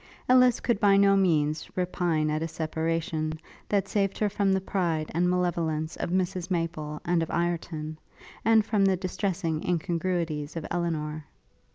Ellis could by no means repine at a separation, that saved her from the pride and malevolence of Mrs Maple and of Ireton, and from the distressing incongruities of Elinor.